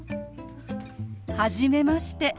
はじめまして。